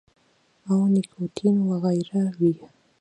او نيکوټین وغېره وي -